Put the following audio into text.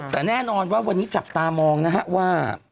แต่แน่นอนว่าวันนี้จับตามองนะฮะว่า